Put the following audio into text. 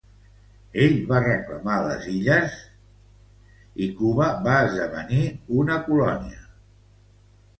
Ell va reclamar les illes per a Espanya i Cuba va esdevenir una colònia espanyola.